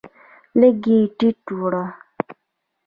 لږ یې ټیټه وړه